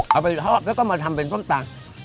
เอาไปทอดแล้วก็มาทำเป็นส้มตำ